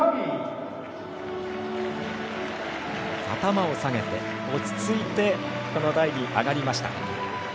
頭を下げて、落ち着いて台に上がりました。